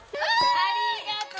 ありがとう！